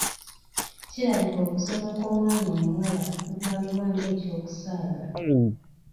Kirabika okusoma kw'omwana omuwala kutwalibwa nga eky'okusaaga.